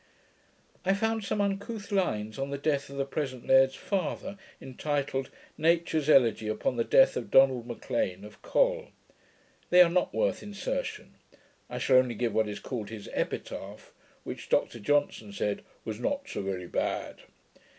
] I found some uncouth lines on the death of the present laird's father, intituled 'Nature's Elegy upon the Death of Donald Maclean of Col'. They are not worth insertion. I shall only give what is called his Epitaph, which Dr Johnson said, 'was not so very bad'.